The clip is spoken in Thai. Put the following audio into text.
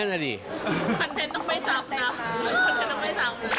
คอนเท้นต้องไม่ซับ